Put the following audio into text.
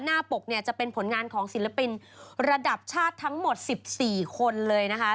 ปกเนี่ยจะเป็นผลงานของศิลปินระดับชาติทั้งหมด๑๔คนเลยนะคะ